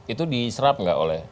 itu diserap nggak oleh